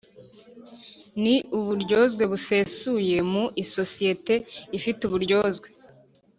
Ni uburyozwe busesuye mu isosiyete ifite uburyozwe